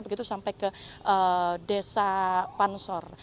begitu sampai ke desa pansor